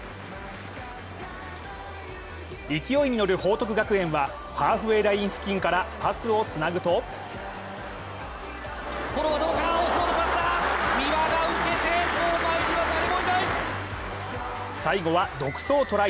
勢いに乗る報徳学園は、ハーフウエーライン付近からパスをつなぐと最後は独走トライ。